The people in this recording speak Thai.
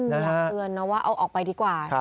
อยากเตือนนะว่าเอาออกไปดีกว่า